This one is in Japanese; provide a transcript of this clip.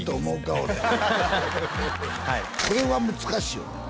俺これは難しいよね